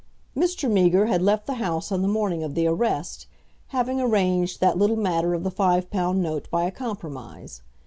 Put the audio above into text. Mr. Meager had left the house on the morning of the arrest, having arranged that little matter of the five pound note by a compromise.